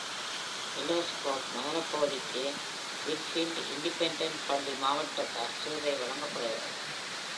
Miller's Cove நகர்ப்பகுதிக்கு Winfield Independent பள்ளி மாவட்டத்தால் சேவை வழங்கப்படுகிறது.